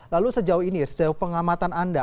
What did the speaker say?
lalu sejauh ini sejauh pengamatan anda